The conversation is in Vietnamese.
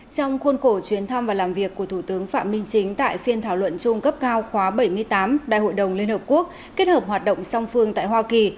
trong khuôn khổ chuyến thăm và làm việc của thủ tướng phạm minh chính tại phiên thảo luận chung cấp cao khóa bảy mươi tám đại hội đồng liên hợp quốc kết hợp hoạt động song phương tại hoa kỳ